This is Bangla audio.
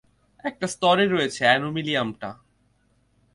একটা স্তরে রয়েছে অ্যানোমিলিয়ামটা।